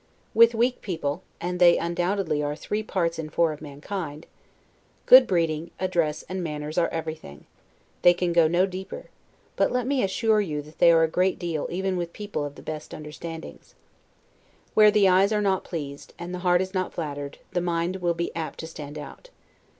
With weak people (and they undoubtedly are three parts in four of mankind) good breeding, address, and manners are everything; they can go no deeper; but let me assure you that they are a great deal even with people of the best understandings. Where the eyes are not pleased, and the heart is not flattered, the mind will be apt to stand out.